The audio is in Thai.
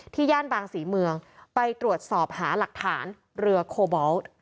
ย่านบางศรีเมืองไปตรวจสอบหาหลักฐานเรือโคบอล